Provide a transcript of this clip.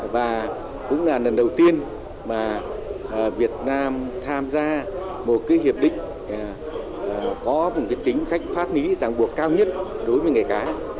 và cũng là lần đầu tiên mà việt nam tham gia một hiệp định có tính khách pháp lý giảng buộc cao nhất đối với ngây cá